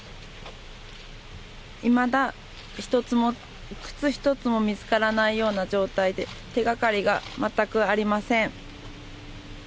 いまだ一つも、靴一つも見つからないような状態で、手がかりが全くありません。